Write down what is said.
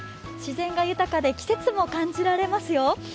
自然が豊かで季節も感じられますよ。